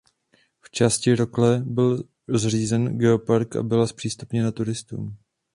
V části rokle byl zřízen geopark a byla zpřístupněna turistům.